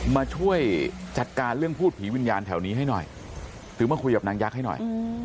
มาช่วยจัดการเรื่องพูดผีวิญญาณแถวนี้ให้หน่อยหรือมาคุยกับนางยักษ์ให้หน่อย